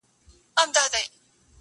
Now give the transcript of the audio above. سره خپل به د عمرونو دښمنان سي-